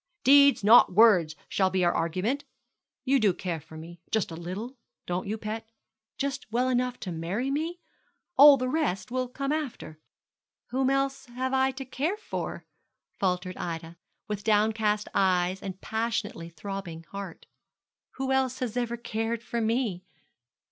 Deeds, not words, shall be our argument. You do care for me just a little don't you, pet? just well enough to marry me? All the rest will come after?' 'Whom else have I to care for?' faltered Ida, with downcast eyes and passionately throbbing heart. 'Who else has ever cared for me?'